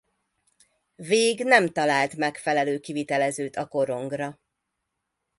Végh nem talált megfelelő kivitelezőt a korongra.